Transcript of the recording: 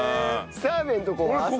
澤部のとこは？